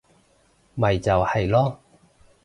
咪就係囉